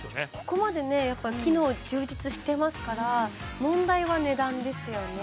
ここまでねやっぱ機能充実してますから問題は値段ですよね